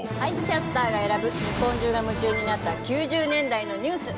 キャスターが選ぶ日本中が夢中になった９０年代のニュース